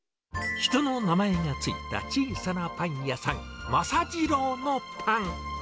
人の名前が付いた小さなパン屋さん、政次郎のパン。